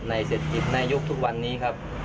เศรษฐกิจในยุคทุกวันนี้ครับ